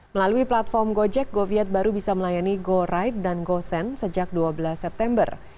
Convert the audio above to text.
melalui platform gojek goviet baru bisa melayani goride dan gosend sejak dua belas september